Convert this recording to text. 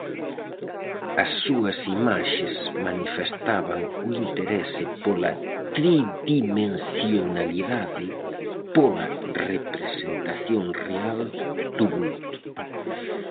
As súas imaxes manifestaban o interese pola tridimensionalidade, pola representación real do vulto.